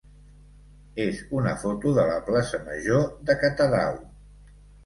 és una foto de la plaça major de Catadau.